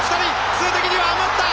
数的には余った！